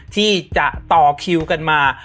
ที่จะต่อคิวกันมา